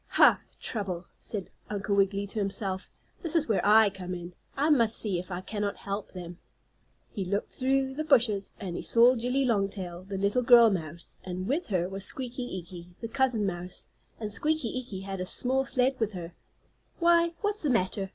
"Ha! Trouble!" said Uncle Wiggily to himself. "This is where I come in. I must see if I cannot help them." He looked through the bushes, and there he saw Jillie Longtail, the little girl mouse, and with her was Squeaky Eeky, the cousin mouse. And Squeaky Eeky had a small sled with her. "Why, what's the matter?"